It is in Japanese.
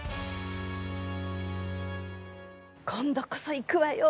今度こそ行くわよ